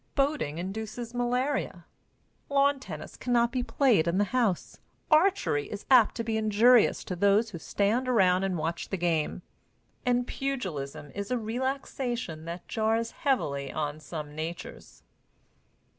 Boating induces malaria. Lawn tennis can not be played in the house. Archery is apt to be injurious to those who stand around and watch the game, and pugilism is a relaxation that jars heavily on some natures.